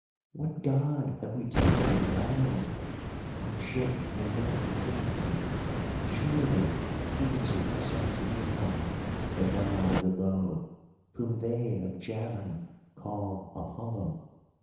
what god have we taken and bound? Our ship may not contain him. Surely he is Resef Mikal, the God of the Bow, whom they of Javan call Apollo.